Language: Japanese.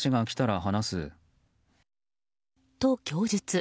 と、供述。